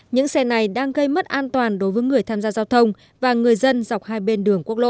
những xe này đang gây mất an toàn đối với người tham gia giao thông và người dân dọc hai bên đường quốc lộ